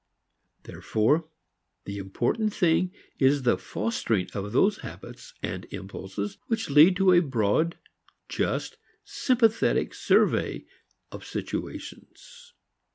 Therefore the important thing is the fostering of those habits and impulses which lead to a broad, just, sympathetic survey of situations.